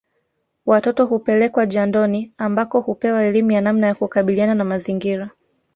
Watoto hupelekwa jandoni ambako hupewa elimu ya namna ya kukabiliana na mazingira